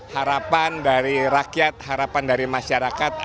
harapan dari rakyat harapan dari masyarakat